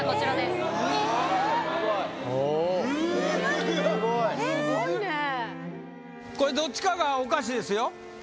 すごいねこれどっちかがお菓子ですよ